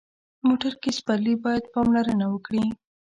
موټر کې سپرلي باید پاملرنه وکړي.